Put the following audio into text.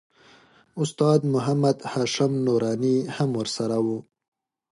استاد محمد هاشم نوراني هم ورسره و.